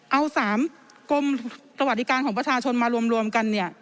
เอา๓กรมสวัสดิการของประชาชนมารวมกันเนี่ย